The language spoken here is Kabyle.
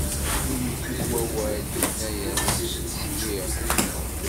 Win ifut wawal, yini-as: sliɣ!